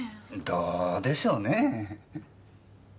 どうでしょうねえ？